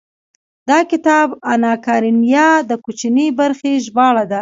دا کتاب اناکارينينا د کوچنۍ برخې ژباړه ده.